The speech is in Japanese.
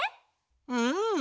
うん。